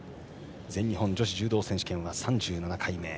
全日本女子柔道選手権は３７回目。